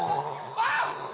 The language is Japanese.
あっ！